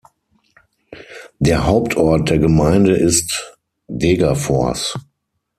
Der Hauptort der Gemeinde ist Degerfors.